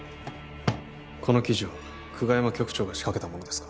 この記事は久我山局長が仕掛けたものですか？